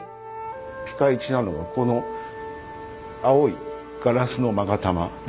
ピカイチなのがこの青いガラスの勾玉です。